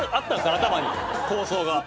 頭に構想が。